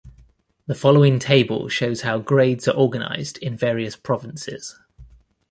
The following table shows how grades are organized in various provinces.